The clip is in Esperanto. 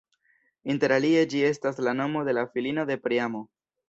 Interalie ĝi estas la nomo de la filino de Priamo.